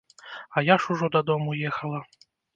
А я ж ужо дадому ехала.